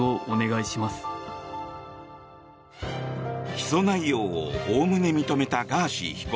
起訴内容をおおむね認めたガーシー被告。